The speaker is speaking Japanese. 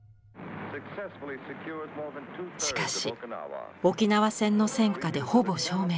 しかし沖縄戦の戦禍でほぼ消滅。